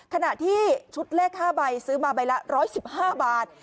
ขณะที่ชุดเลข๕ใบซื้อมาใบละ๑๑๕บาท